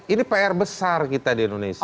ini pr besar kita di indonesia